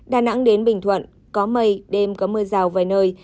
đà nẵng đến bình thuận có mây đêm có mưa rào vài nơi